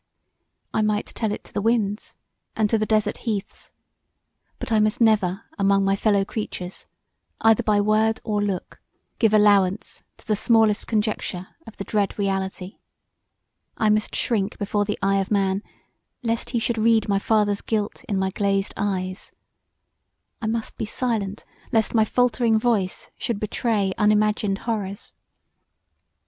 I might tell it to the winds and to the desart heaths but I must never among my fellow creatures, either by word or look give allowance to the smallest conjecture of the dread reality: I must shrink before the eye of man lest he should read my father's guilt in my glazed eyes: I must be silent lest my faltering voice should betray unimagined horrors.